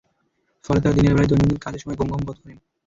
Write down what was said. ফলে তাঁরা দিনের বেলায় দৈনন্দিন কাজের সময় ঘুম ঘুম বোধ করেন।